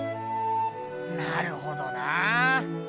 なるほどなあ。